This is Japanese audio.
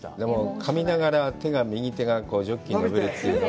噛みながら、手がジョッキに伸びるというのは。